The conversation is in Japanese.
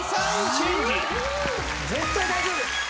・絶対大丈夫！